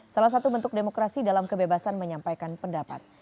salah satu bentuk demokrasi dalam kebebasan menyampaikan pendapat